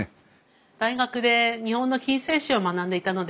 大学で日本の近世史を学んでいたので。